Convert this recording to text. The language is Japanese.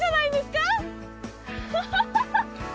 ハハハハ！